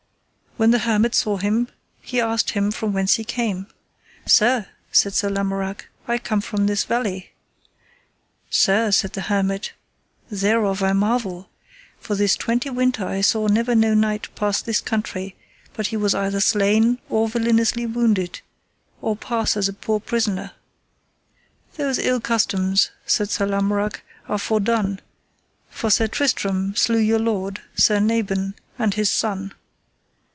When the hermit saw him, he asked him from whence he came. Sir, said Sir Lamorak, I come from this valley. Sir, said the hermit: thereof I marvel. For this twenty winter I saw never no knight pass this country but he was either slain or villainously wounded, or pass as a poor prisoner. Those ill customs, said Sir Lamorak, are fordone, for Sir Tristram slew your lord, Sir Nabon, and his son.